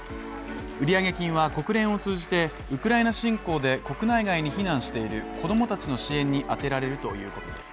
売上金は国連を通じてウクライナ侵攻で国内外に避難している子供たちの支援に充てられるということです。